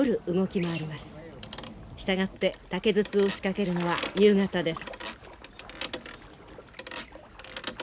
従って竹筒を仕掛けるのは夕方です。